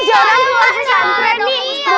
kita jarang keluar dari pesantren nih ustadz